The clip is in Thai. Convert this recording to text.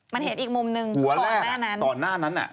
มันเห็นอีกมุมนึงตอนหน้านั้น